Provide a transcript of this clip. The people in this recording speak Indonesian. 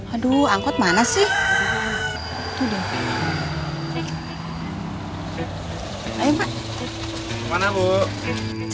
aduh angkot mana sih